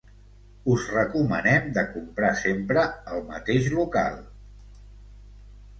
Us recomanem de comprar sempre el mateix local.